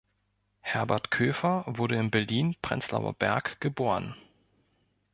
Herbert Köfer wurde in Berlin-Prenzlauer Berg geboren.